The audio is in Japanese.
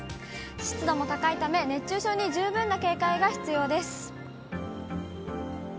湿度も高いため、熱中症に十分な警戒が必要です。